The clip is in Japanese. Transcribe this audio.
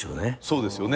そうですよね。